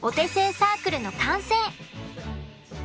サークルの完成！